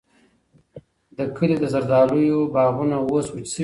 د کلي د زردالیو باغونه اوس وچ شوي دي.